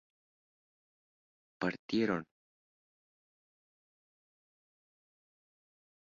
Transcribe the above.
partieron